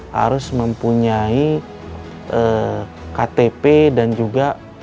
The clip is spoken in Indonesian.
harus mempunyai ktp dan juga bpm yang berubah mulu